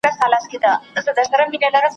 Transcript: چي هر څو یې زور کاوه بند وه ښکرونه ,